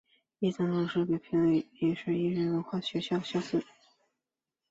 亦曾蒙市府评为艺术与人文特色学校。